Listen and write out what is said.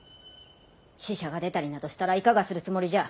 死者が出たりなどしたらいかがするつもりじゃ！